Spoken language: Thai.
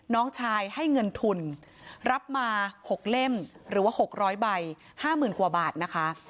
น้องชายให้เงินทุนรับมาหกเล่มหรือว่าหกร้อยใบห้าหมื่นกว่าบาทนะคะ